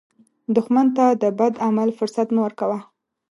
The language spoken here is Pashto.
دښمن ته د بد عمل فرصت مه ورکوه